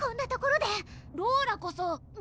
ローラこそ！